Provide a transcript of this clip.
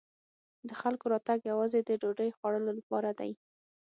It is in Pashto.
د خلکو راتګ یوازې د ډوډۍ خوړلو لپاره دی.